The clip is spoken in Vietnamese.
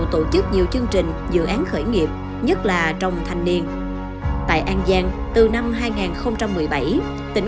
tổ chức nhiều chương trình dự án khởi nghiệp nhất là trong thanh niên tại an giang từ năm hai nghìn một mươi bảy tỉnh